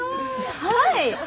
はい！